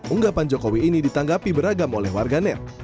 unggapan jokowi ini ditanggapi beragam oleh warga net